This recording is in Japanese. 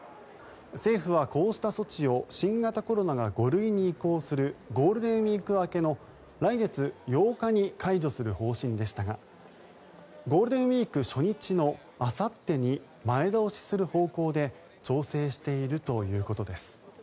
政府はこうした措置を新型コロナが５類に移行するゴールデンウィーク明けの来月８日に解除する方針でしたがゴールデンウィーク初日のあさってに前倒しする方向で調整しているということです。